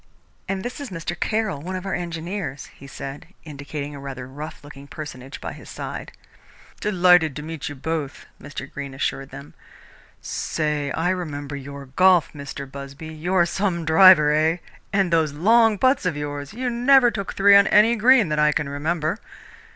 "And this is Mr. Caroll, one of our engineers," he said, indicating a rather rough looking personage by his side. "Delighted to meet you both," Mr. Greene assured them. "Say, I remember your golf, Mr. Busby! You're some driver, eh? And those long putts of yours you never took three on any green that I can remember!"